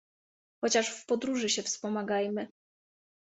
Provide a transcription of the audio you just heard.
Chociaż w podróży się wspomagajmy.